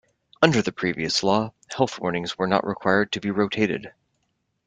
Under the previous law, health warnings were not required to be rotated.